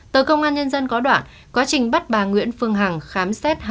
tờ công an nhân dân có đoạn quá trình bắt bà nguyễn phương hằng khám xét